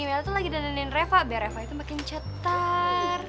meli tuh lagi dandainin reva biar reva itu makin cetar